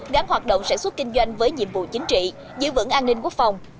gắn hoạt động sản xuất kinh doanh với nhiệm vụ chính trị giữ vững an ninh quốc phòng